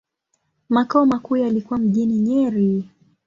Makao makuu yalikuwa mjini Nyeri.